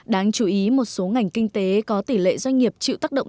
đáng chú ý một số ngành kinh tế có tỷ lệ doanh nghiệp chịu tác động